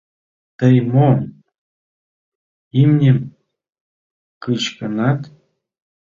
Тый мо имньым кычкенат?